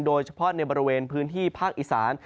โดยเฉพาะในบริเวณพื้นที่ภาคอีสาน